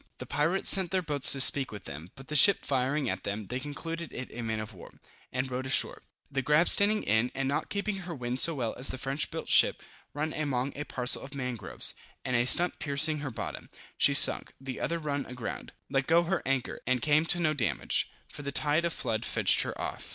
The pirates sent their boats to speak with them, but the ship firing at them, they concluded it a man of war, and rowed ashore; the grab standing in, and not keeping her wind so well as the French built ship, run among a parcel of mangroves, and a stump piercing her bottom, she sunk: the other run aground, let go her anchor, and came to no damage, for the tide of flood fetched her off.